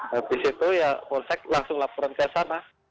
habis itu ya polsek langsung laporan ke sana